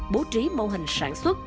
bố trí mô hình sản xuất